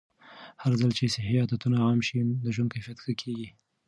هرځل چې صحي عادتونه عام شي، د ژوند کیفیت ښه کېږي.